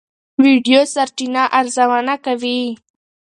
ویډیو سرچینه ارزونه کوي.